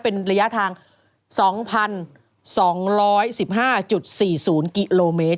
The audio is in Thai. เป็นระยะทาง๒๒๑๕๔๐กิโลเมตร